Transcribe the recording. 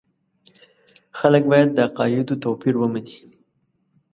خلک باید د عقایدو توپیر ومني.